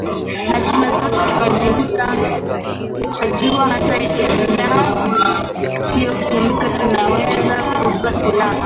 na tunaweza tukajua hata silaha sikitumika tunaweza tukajua silaha